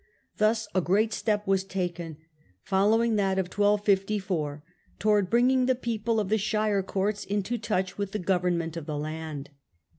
Thus a great step was taken, following that of 1254, towards bringing the people of the shire courts into touch with the govern ment of the land.